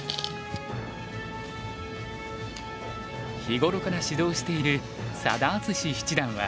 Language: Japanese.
日頃から指導している佐田篤史七段は。